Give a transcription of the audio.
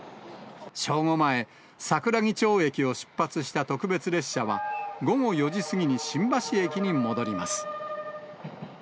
正午前、桜木町駅を出発した特別列車は、午後４時過ぎに新橋駅に戻ります。